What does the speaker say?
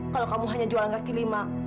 kalau kamu hanya jual angka kilima